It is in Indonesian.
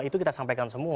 itu kita sampaikan semua